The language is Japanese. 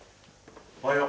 おはよう。